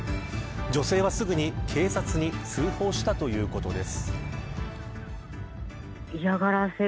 女性はすぐに警察に通報したということです。